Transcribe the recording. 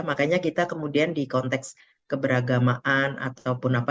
makanya kita kemudian di konteks keberagamaan ataupun apa